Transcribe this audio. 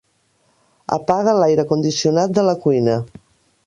Apaga l'aire condicionat de la cuina.